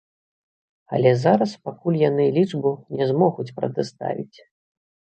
Але зараз пакуль яны лічбу не змогуць прадаставіць.